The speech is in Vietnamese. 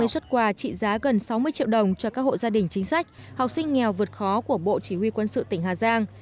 một trăm ba mươi xuất quà trị giá gần sáu mươi triệu đồng cho các hội gia đình chính sách học sinh nghèo vượt khó của bộ chỉ huy quân sự tỉnh hà giang